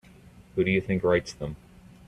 Who do you think writes them?